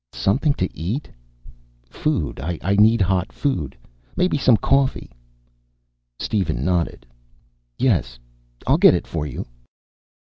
"Something to eat?" "Food. I need hot food. Maybe some coffee." Steven nodded. "Yes. I'll get it for you."